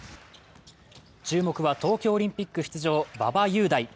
注目は東京オリンピック出場、馬場雄大。